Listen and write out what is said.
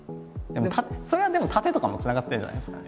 それはでも殺陣とかもつながってるんじゃないですか。